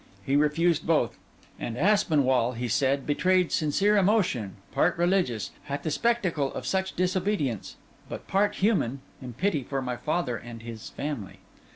He refused both; and Aspinwall, he said, betrayed sincere emotion, part religious, at the spectacle of such disobedience, but part human, in pity for my father and his family.